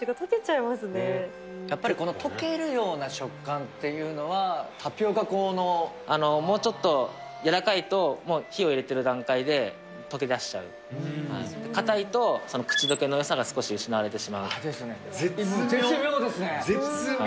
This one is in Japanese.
やっぱりこの溶けるような食感っていうのはもうちょっとやらかいともう火を入れてる段階で溶け出しちゃうかたいと口溶けのよさが少し失われてしまう絶妙絶妙！